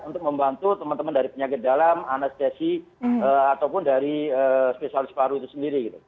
untuk membantu teman teman dari penyakit dalam anestesi ataupun dari spesialis paru itu sendiri